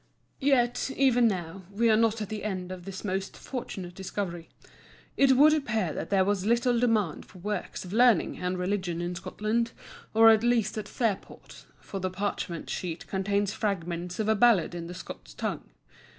Yet, even now, we are not at the end of this most fortunate discovery. It would appear that there was little demand for works of learning and religion in Scotland, or at least at Fairport; for the parchment sheet contains fragments of a Ballad in the Scots tongue.